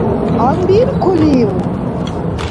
- Гьанбиркулив?